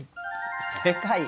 正解。